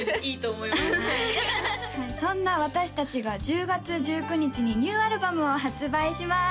はいそんな私達が１０月１９日にニューアルバムを発売します